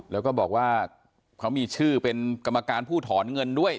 แล้วก็บอกว่าเขามีชื่อเป็นกรรมการผู้ถอนเงินด้วย